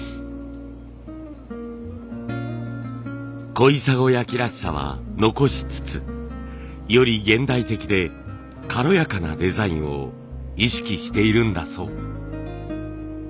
小砂焼らしさは残しつつより現代的で軽やかなデザインを意識しているんだそう。